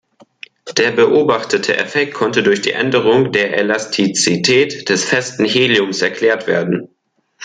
Der beobachtete Effekt konnte durch die Änderung der Elastizität des festen Heliums erklärt werden.